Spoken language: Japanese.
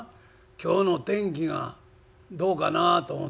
今日の天気がどうかなあと思て」。